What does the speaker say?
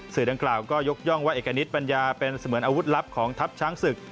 ดังกล่าวก็ยกย่องว่าเอกณิตปัญญาเป็นเสมือนอาวุธลับของทัพช้างศึก